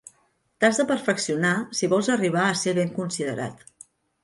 T'has de perfeccionar si vols arribar a ser ben considerat.